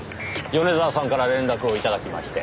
米沢さんから連絡を頂きまして。